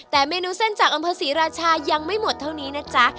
แต่เมนูเส้นจากอำเภอศรีราชายังไม่หมดเท่านี้นะจ๊ะ